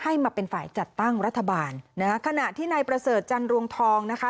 ให้มาเป็นฝ่ายจัดตั้งรัฐบาลนะฮะขณะที่นายประเสริฐจันรวงทองนะคะ